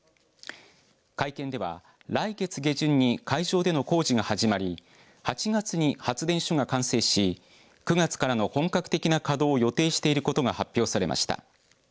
会見では来月下旬に海上での工事が始まり８月に発電所が完成し９月からの本格的な稼働を予定していることが発表されました。